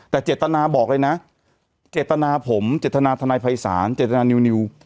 แต่เจตนาบอกเลยนะเจตนาผมเจตนาทนายภัยศาลเจตนานิว